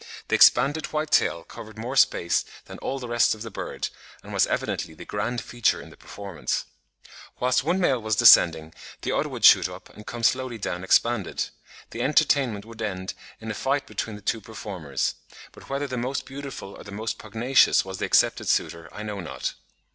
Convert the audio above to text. The expanded white tail covered more space than all the rest of the bird, and was evidently the grand feature in the performance. Whilst one male was descending, the other would shoot up and come slowly down expanded. The entertainment would end in a fight between the two performers; but whether the most beautiful or the most pugnacious was the accepted suitor, I know not."